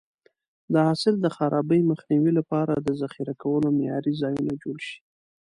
د حاصل د خرابي مخنیوي لپاره د ذخیره کولو معیاري ځایونه جوړ شي.